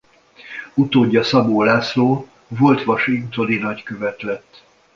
Utódja Szabó László volt washingtoni nagykövet lett.